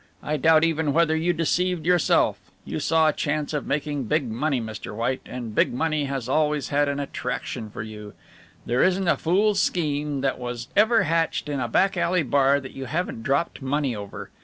I doubt even whether you deceived yourself. You saw a chance of making big money, Mr. White, and big money has always had an attraction for you. There isn't a fool's scheme that was ever hatched in a back alley bar that you haven't dropped money over.